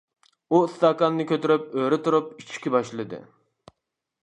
ئۇ ئىستاكاننى كۆتۈرۈپ ئۆرە تۇرۇپ ئىچىشكە باشلىدى.